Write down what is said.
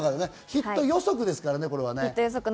ヒット予測ですからね、これは。